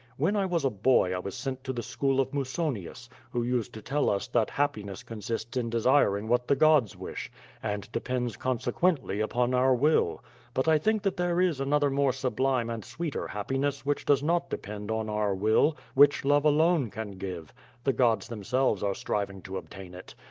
When I was a boy I was sent to the school of Musonius, who used to tell us that happiness consists in desiring what the 30 QUO VADI8. gods wish — ^and depends consequently upon our will. But I think that there is another more sublime and sweeter hap piness which does not depend on our will, which love alone can give. The gods themselves are striving to obtain it.